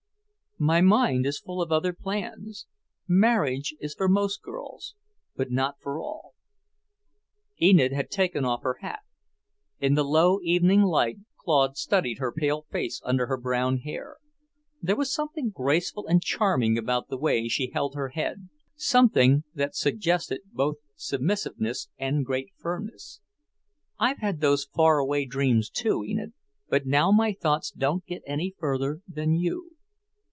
"My mind is full of other plans. Marriage is for most girls, but not for all." Enid had taken off her hat. In the low evening light Claude studied her pale face under her brown hair. There was something graceful and charming about the way she held her head, something that suggested both submissiveness and great firmness. "I've had those far away dreams, too, Enid; but now my thoughts don't get any further than you.